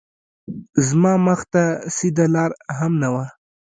زما مخ ته سیده لار هم نه وه